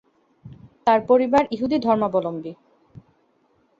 তার পরিবার ইহুদি ধর্মাবলম্বী।